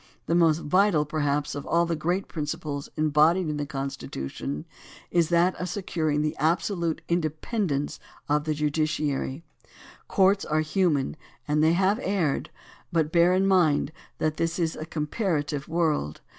The most vital perhaps of all the great principles embodied in the Constitution is that of securing the absolute independence of the judiciary. Courts are human and they have erred, but bear in mind that this is a comparative world.